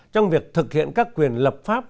trong việc thực hiện các quyền lập pháp